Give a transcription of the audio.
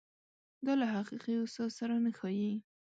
دا له حقیقي استاد سره نه ښايي.